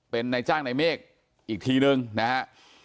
เป็นนายจ้างในเมฆอีกทีนึงนะฮะ